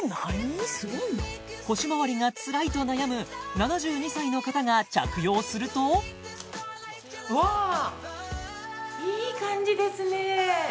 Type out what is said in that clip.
腰まわりがつらいと悩む７２歳の方が着用するといい感じですね